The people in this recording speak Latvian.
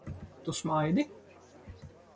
Tu smaidi?